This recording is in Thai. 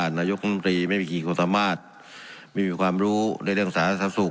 ว่านายกลุ่มตรีไม่มีกี่คนสามารถมีความรู้ในเรื่องสารสร้างสรุป